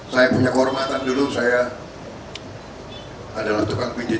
saya punya kehormatan dulu saya adalah tukang penjina gus durn